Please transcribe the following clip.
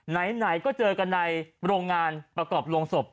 ไหนก็เจอกันในโรงงานประกอบโรงศพ